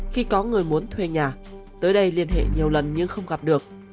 khi có người muốn thuê nhà tới đây liên hệ nhiều lần nhưng không gặp được